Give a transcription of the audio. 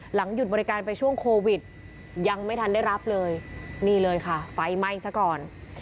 หยุดบริการไปช่วงโควิดยังไม่ทันได้รับเลยนี่เลยค่ะไฟไหม้ซะก่อน